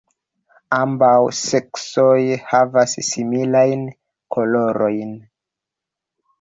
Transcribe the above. Ambaŭ seksoj havas similajn kolorojn.